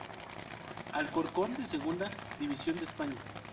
Alcorcón de Segunda División de España.